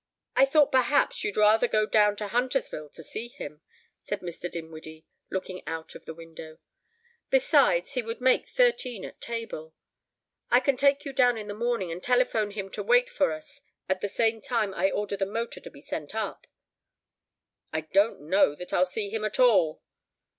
"I thought perhaps you'd rather go down to Huntersville to see him," said Mr. Dinwiddie, looking out of the window. "Besides, he would make thirteen at table. I can take you down in the morning and telephone him to wait for us at the same time I order the motor to be sent up." "I don't know that I'll see him at all."